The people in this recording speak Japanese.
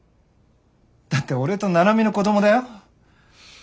だって俺と七海の子供だよ？